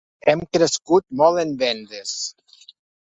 Hem crescut molt en vendes.